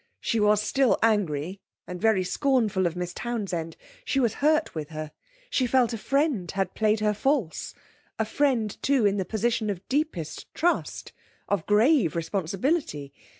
She was still angry, and very scornful of Miss Townsend. She was hurt with her; she felt a friend had played her false a friend, too, in the position of deepest trust, of grave responsibility.